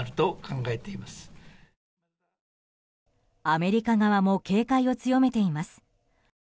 アメリカ側も警戒を強めています。